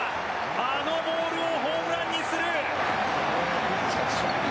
あのボールをホームランにする！